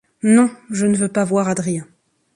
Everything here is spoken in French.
Non, je ne veux pas voir Adrien.